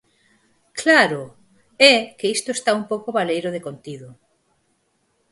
¡Claro!, é que isto está un pouco baleiro de contido.